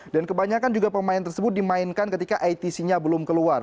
dan kebanyakan juga pemain tersebut dimainkan ketika itc nya belum keluar